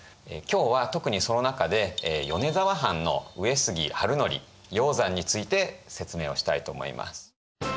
今日は特にその中で米沢藩の上杉治憲鷹山について説明をしたいと思います。